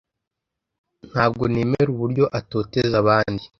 Ntabwo nemera uburyo atoteza abandi.